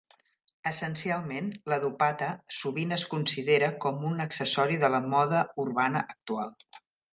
Essencialment, la dupatta sovint es considera com un accessori de la moda urbana actual.